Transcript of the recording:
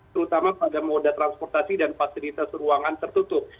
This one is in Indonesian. terutama pada moda transportasi dan fasilitas ruangan tertutup